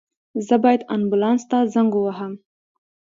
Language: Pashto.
زه باید آنبولاس ته زنګ ووهم